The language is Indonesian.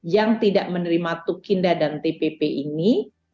yang tidak menerima tukinda dan tpp ini